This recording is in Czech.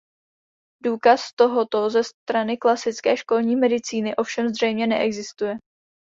Důkaz tohoto ze strany klasické školní medicíny ovšem zřejmě neexistuje.